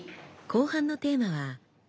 後半のテーマは仕事。